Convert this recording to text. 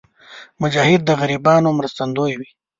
مجاهد د غریبانو مرستندوی وي.